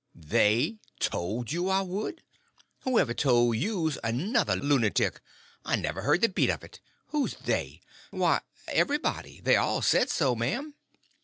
"They told you I would. Whoever told you's another lunatic. I never heard the beat of it. Who's they?" "Why, everybody. They all said so, m'am."